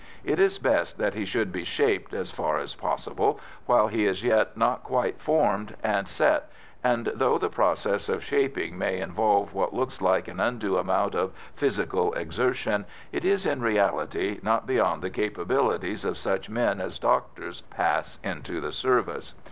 It is best that he should be shaped, as far as possible, while he is yet not quite formed and set, and, though the process of shaping may involve what looks like an undue amount of physical exertion, it is, in reality, not beyond the capabilities of such men as doctors pass into the service.